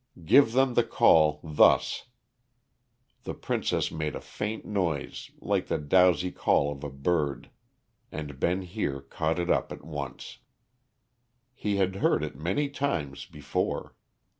Give them the call, thus." The princess made a faint noise like the drowsy call of a bird and Ben Heer caught it up at once. He had heard it many times before.